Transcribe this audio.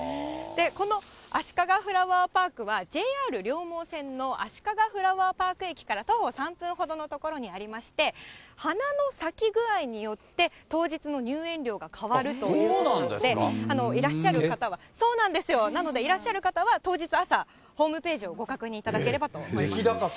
このあしかがフラワーパークは、ＪＲ両毛線のあしかがフラワーパーク駅から徒歩３分ほどの所にありまして、花の咲き具合によって、当日の入園料が変わるということでして、いらっしゃる方は、当日朝、ホームページをご確認いただければと思います。